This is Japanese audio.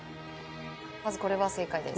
まずこれは正解です